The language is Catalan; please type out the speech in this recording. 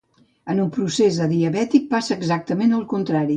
En un procés adiabàtic passa exactament el contrari.